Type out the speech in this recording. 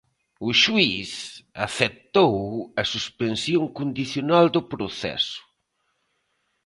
O xuíz aceptou a suspensión condicional do proceso.